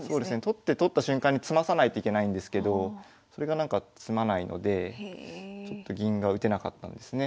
取って取った瞬間に詰まさないといけないんですけどそれがなんか詰まないのでちょっと銀が打てなかったんですね。